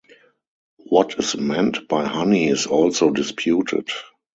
What is meant by honey is also disputed.